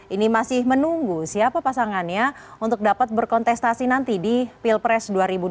ini masih menunggu siapa pasangannya untuk dapat berkontestasi nanti di pilpres dua ribu dua puluh